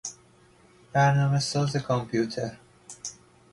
برنامه ساز کامپیوتر